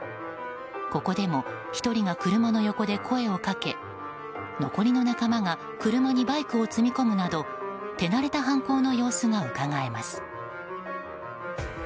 ここでも１人が車の横で声をかけ残りの仲間が車にバイクを積み込むなど手慣れた犯行の様子がうかがえます。